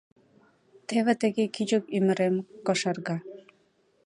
— Теве тыге кӱчык ӱмырем кошарга.